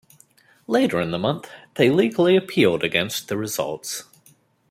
Later in the month, they legally appealed against the results.